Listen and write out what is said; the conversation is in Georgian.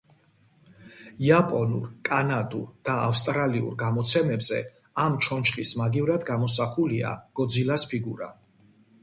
იაპონურ, კანადურ და ავსტრალიურ გამოცემებზე ამ ჩონჩხის მაგივრად გამოსახულია გოძილას ფიგურა.